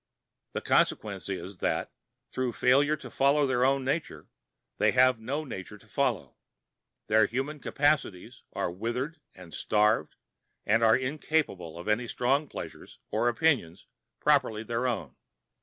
The consequence is that, through failure to follow their own nature, they have no nature to follow; their human capacities are withered and starved, and are incapable of any strong pleasures or opinions properly their own.